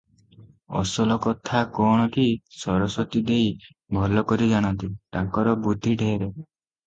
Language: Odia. ଅସଲ କଥା କଣ କି, ସରସ୍ୱତୀ ଦେଈ ଭଲ କରି ଜାଣନ୍ତି, ତାଙ୍କର ବୁଦ୍ଧି ଢେର ।